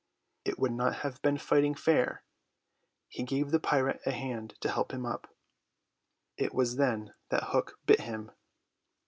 It would not have been fighting fair. He gave the pirate a hand to help him up. It was then that Hook bit him.